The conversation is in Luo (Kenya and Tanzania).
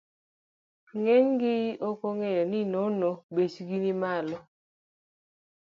Ng'eny ji ok ong'eyo ni gi nono bechgi ni malo.